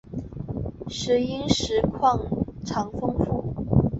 石英石矿藏丰富。